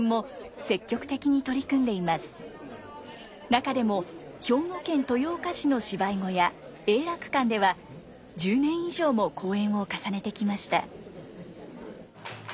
中でも兵庫県豊岡市の芝居小屋永楽館では１０年以上も公演を重ねてきました。